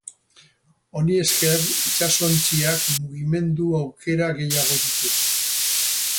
Honi esker itsasontziak mugimendu aukera gehiago ditu.